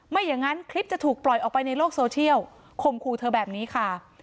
ไม่อย่างนั้นคลิปจะถูกปล่อยออกไปในโลกโซเชียลข่มขู่เธอแบบนี้ค่ะ